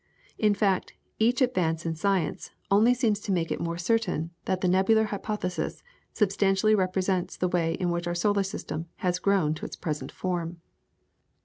In fact, each advance in science only seems to make it more certain that the Nebular Hypothesis substantially represents the way in which our solar system has grown to its present form.